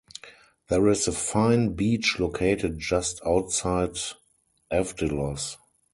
There is a fine beach located just outside Evdilos.